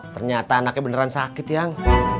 ternyata anaknya beneran sakit yang